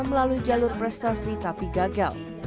melalui jalur prestasi tapi gagal